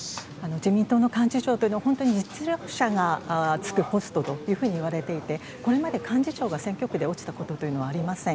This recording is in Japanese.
自民党の幹事長というのは、本当に実力者が就くポストというふうにいわれていて、これまで、幹事長が選挙区で落ちたことというのはありません。